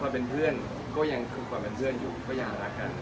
เป็นเพื่อนก็ยังคือความเป็นเพื่อนอยู่ก็ยังรักกัน